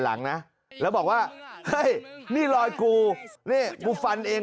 ประเภทประเภทประเภท